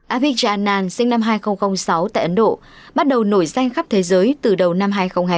abhigya anand sinh năm hai nghìn sáu tại ấn độ bắt đầu nổi danh khắp thế giới từ đầu năm hai nghìn hai mươi